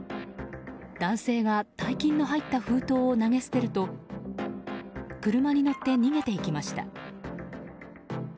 男性が大金の入った封筒を投げ捨てると車に乗って逃げていきました。